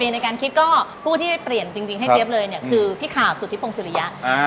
ในการคิดก็ผู้ที่ได้เปลี่ยนจริงให้เจ๊บเลยเนี่ยคือพี่ข่าวสุทธิพงศิริยะ